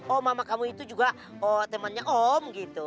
oh mama kamu itu juga oh temannya om gitu